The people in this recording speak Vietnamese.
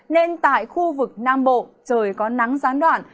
nên tại khu vực nam bộ trời có nắng gián đoạn